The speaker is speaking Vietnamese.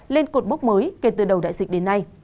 lên cột mốc mới kể từ đầu đại dịch đến nay